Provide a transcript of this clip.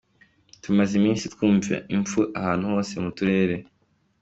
Tumaze iminsi twumva impfu ahantu hose mu turere.